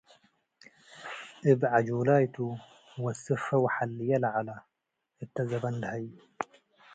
እብ “ዐጆላይ"" ቱ- ወስፈ ወሐልየ ለዐለ። እተ ዘበን ለሀይ